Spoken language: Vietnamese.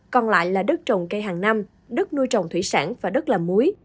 còn lại là đất trồng cây hàng năm đất nuôi trồng thủy sản và đất làm muối